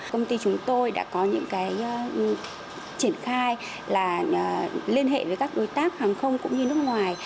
công ty chúng tôi đã có những cái triển khai là liên hệ với các đối tác hàng không cũng như nước ngoài